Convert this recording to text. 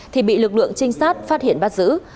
thì bị lực lượng trinh sát phát hiện bắt giữ